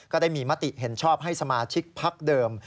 ก็ได้มีมติเห็นชอบให้สมาชิกพักเดิม